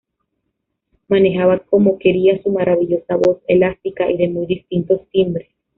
Manejaba como quería su maravillosa voz, elástica y de muy distintos timbres.